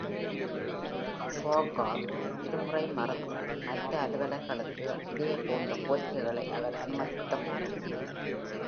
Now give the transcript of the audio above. Fourgeoud இருமுறை மறுத்தார், மற்ற அலுவலர்களுக்கு அதே போன்ற கோரிக்கைகளை அவர் அனுமதித்தபோதும்.